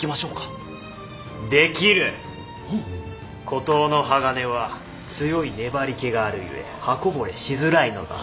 古刀の鋼は強い粘りけがあるゆえ刃こぼれしづらいのだ。